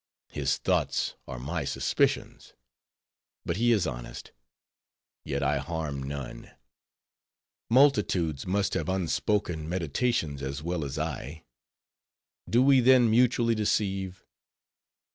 His thoughts are my suspicions. But he is honest. Yet I harm none. Multitudes must have unspoken meditations as well as I. Do we then mutually deceive?